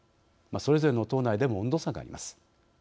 それぞれの党内でも温度差があります。